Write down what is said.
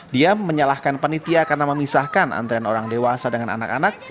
dia menyalahkan panitia karena memisahkan antrean orang dewasa dengan anak anak